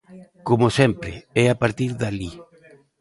Como sempre, é a partir de alí.